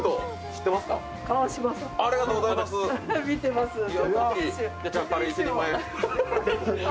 見てます。